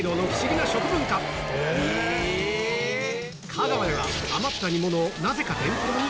香川では余った煮物をなぜか天ぷらに！？